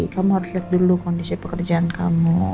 kamu harus lihat dulu kondisi pekerjaan kamu